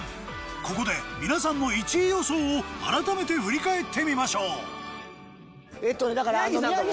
ここで皆さんの１位予想を改めて振り返ってみましょう。